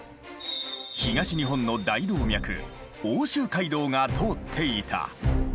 東日本の大動脈奥州街道が通っていた。